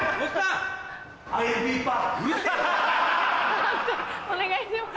判定お願いします。